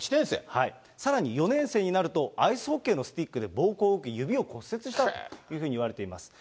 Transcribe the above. さらに、４年生になると、アイスホッケーのスティックで暴行を受け、指を骨折したといわれています。